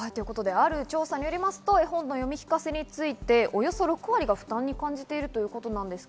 ある調査によると、絵本の読み聞かせについておよそ６割が負担に感じているということです。